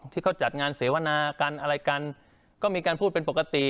ที่เขาจัดงานเสวนากันอะไรกันก็มีการพูดเป็นปกติ